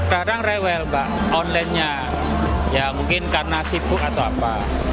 kadang rewel mbak onlinenya ya mungkin karena sibuk atau apa